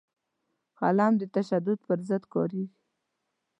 قلم د تشدد پر ضد کارېږي